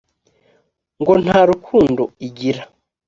ngo nta rukundo igira